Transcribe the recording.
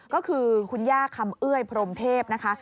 ก็คือคุณย่าคำเอื้อยพรมเทพนะคะ